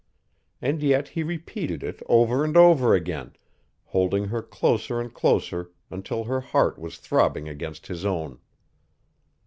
And yet he repeated it over and over again, holding her closer and closer until her heart was throbbing against his own.